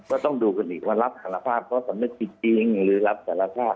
ก็ต้องดูกันอีกว่ารับสารภาพเพราะสำนึกจริงหรือรับสารภาพ